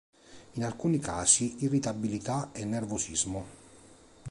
In alcuni casi irritabilità e nervosismo.